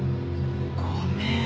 ごめん。